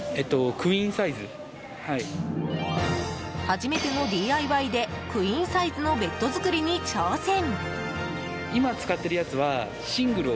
初めてのＤＩＹでクイーンサイズのベッド作りに挑戦。